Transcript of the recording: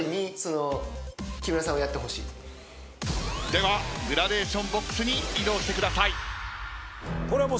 ではグラデーションＢＯＸに移動してください。